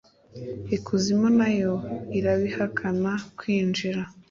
Ikuzimu na yo irabihakana kwinjira